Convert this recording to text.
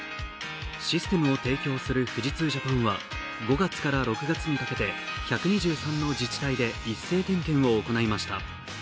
システムを提供する富士通ジャパンは５月から６月にかけて１２３の自治体で一斉点検を行いました。